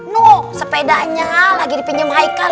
nuh sepedanya lagi dipinjem aikal